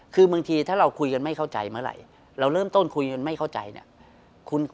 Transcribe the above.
คือบางทีถ้าเราคุยกันไม่เข้าใจเมื่อไหร่เราเริ่มต้นคุยกันไม่เข้าใจเนี่ย